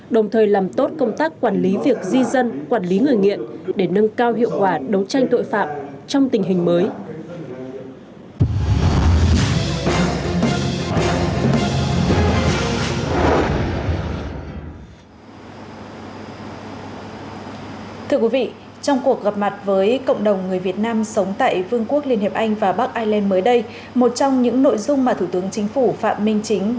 đồng thời làm tốt công tác quản lý việc di dân quản lý người nghiện để nâng cao hiệu quả đấu tranh tội phạm trong tình hình mới